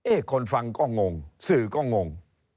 คนฟังก็งงสื่อก็งง